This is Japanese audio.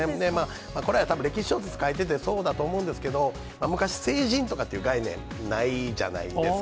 これはたぶん歴史小説書いててそうだと思うんですけれども、昔、成人とかいう概念、ないじゃないですか。